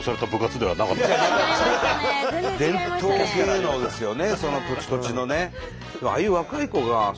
伝統芸能ですよねその土地土地のね。